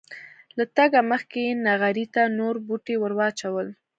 له تګه مخکې یې نغري ته نور بوټي ور واچول.